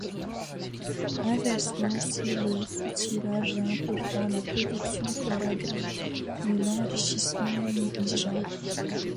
Inversement, si le soutirage est important, la production sera grande, mais l'enrichissement négligeable.